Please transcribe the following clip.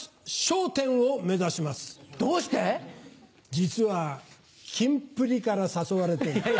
実はキンプリから誘われてんだよ。